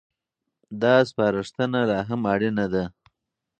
دا سپارښتنه لا هم اړينه ده.